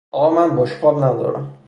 آقا من بشقاب ندارم.